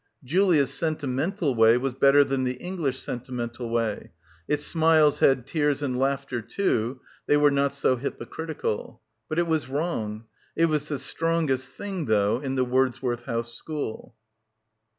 Julia's sentimental way was better than the English sentimental way; its smiles had tears and laughter too, they were not so hypocritical. But it was wrong. It was the strongest tiling though in the Wordsworth House school.